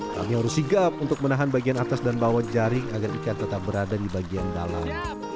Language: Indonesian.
kami harus sigap untuk menahan bagian atas dan bawah jaring agar ikan tetap berada di bagian dalam